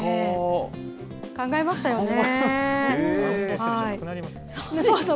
考えましたよね。